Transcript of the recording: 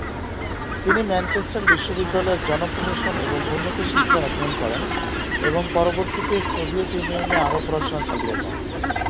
তিনি ম্যানচেস্টার বিশ্ববিদ্যালয়ে জন প্রশাসন এবং উন্নত শিক্ষায় অধ্যয়ন করেন এবং পরবর্তী সোভিয়েত ইউনিয়নে আরও পড়াশুনা চালিয়ে যান।